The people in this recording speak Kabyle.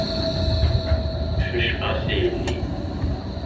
Cucfeɣ-as i yelli.